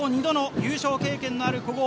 過去２度の優勝経験のある古豪。